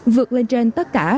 vượt lên trên tất cả